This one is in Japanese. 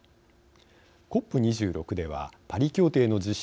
ＣＯＰ２６ではパリ協定の実施